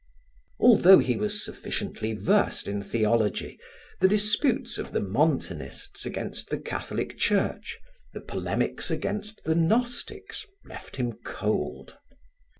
Although he was sufficiently versed in theology, the disputes of the Montanists against the Catholic Church, the polemics against the gnostics, left him cold.